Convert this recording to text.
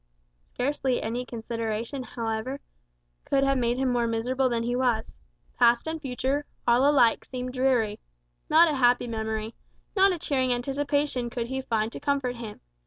Scarcely any consideration, however, could have made him more miserable than he was. Past and future all alike seemed dreary. Not a happy memory, not a cheering anticipation could he find to comfort him.